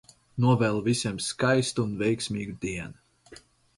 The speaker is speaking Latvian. Novēlu visiem skaistu un veiksmīgu dienu!